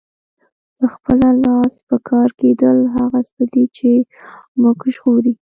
په خپله لاس پکار کیدل هغه څه دي چې مونږ ژغوري.